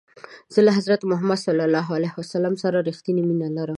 زه له حضرت محمد ص سره رښتنی مینه لرم.